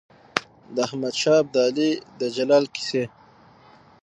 د احمد شاه ابدالي د جلال کیسې.